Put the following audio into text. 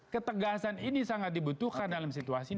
ketegasan ini sangat dibutuhkan dalam situasi ini